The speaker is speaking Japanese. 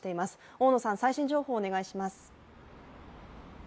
大野さん、最新情報をお願いします。